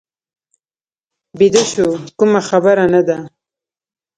بیده شو، کومه خبره نه ده.